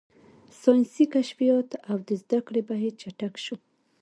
ساینسي کشفیات او د زده کړې بهیر چټک شو.